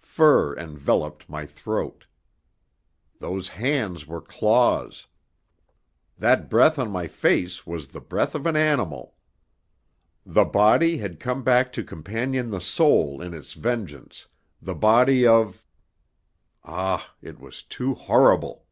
Fur enveloped my throat. Those hands were claws. That breath on my face was the breath of an animal. The body had come back to companion the soul in its vengeance, the body of Ah, it was too horrible!